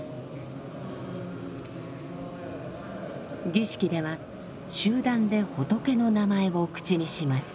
儀式では集団で仏の名前を口にします。